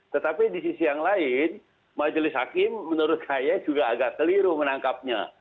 tetapi di sisi yang lain majelis hakim menurut saya juga agak keliru menangkapnya